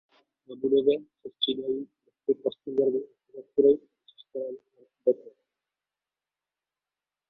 Na budově se střídají prvky postmoderní architektury se stylem art deco.